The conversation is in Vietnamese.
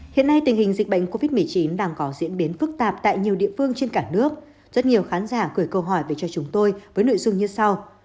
hiện nay tình hình dịch bệnh covid một mươi chín đang có diễn biến phức tạp tại nhiều địa phương trên cả nước rất nhiều khán giả gửi câu hỏi về cho chúng tôi với nội dung như sau